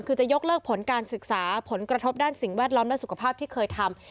คือจะยกเลิกผลการศึกษาผลกระทบด้านสิ่งแวดล้อมและสุขภาพที่เคยทำ